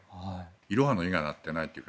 いろはの「い」がなってない。